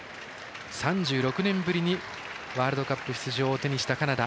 ３６年ぶりにワールドカップ出場を果たしたカナダ。